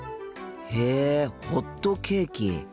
へえホットケーキ。